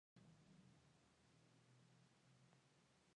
El asentamiento es administrado por el Consejo Regional de Gush Etzion.